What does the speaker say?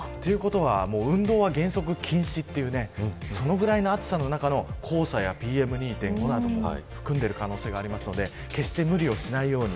ということは、運動は原則禁止というくらいの暑さの中で黄砂やＰＭ２．５などを含んでいる可能性がありますので決して無理をしないように。